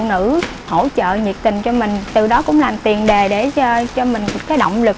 phụ nữ hỗ trợ nhiệt tình cho mình từ đó cũng làm tiền đề để cho mình cái động lực